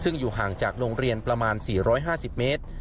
ซึ่งอยู่ห่างจากโรงเรียนประมาณ๔๕๐เมตร